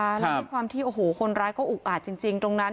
แล้วในความที่คนร้ายก็อุอาจจริงตรงนั้น